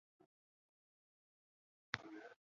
披针叶萼距花为千屈菜科萼距花属下的一个种。